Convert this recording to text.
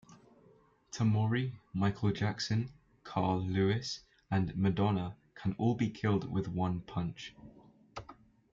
Tamori, Michael Jackson, Carl Lewis, and Madonna can all be killed with one punch.